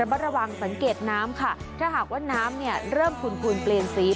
ระบุราวงสังเกตน้ำค่ะถ้าหากว่าน้ำเริ่มขุนเปลี่ยนสี